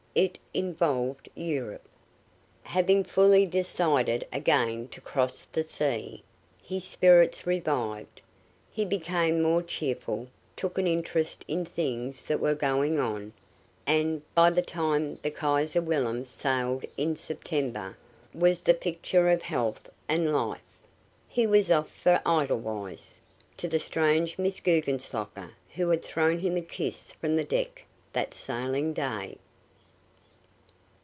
It involved Europe. Having fully decided again to cross the sea, his spirits revived. He became more cheerful, took an interest in things that were going on, and, by the time the Kaiser Wilhelm sailed in September, was the picture of health and life. He was off for Edelweiss to the strange Miss Guggenslocker who had thrown him a kiss from the deck that sailing day.